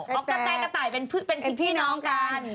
ก็เป็นพี่น้องกาน